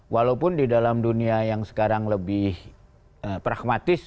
walaupun di dalam dunia yang sekarang lebih pragmatis